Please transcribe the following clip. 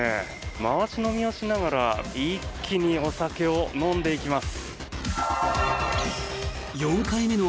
回し飲みをしながら一気にお酒を飲んでいきます。